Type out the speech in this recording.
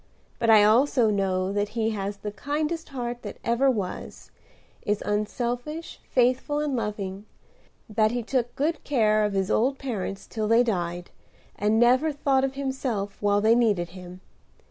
But I also know that he has the kindest heart that ever was; is unselfish, faithful and loving; that he took good care of his old parents till they died, and never thought of himself while they needed him.